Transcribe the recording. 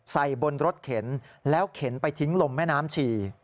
ใส่บนรถเข็นแล้วเข็นไปทิ้งลมแม่น้ำชี